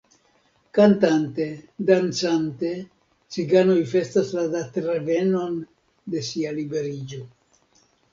Kantante, dancante, ciganoj festas la datrevenon de sia liberiĝo.